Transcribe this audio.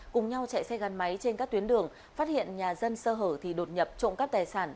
cùng nhau chạy xe gắn máy trên các tuyến đường phát hiện nhà dân sơ hở thì đột nhập trộm cắp tài sản